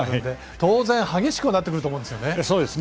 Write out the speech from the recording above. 当然、激しくはなってくると思うんですよね。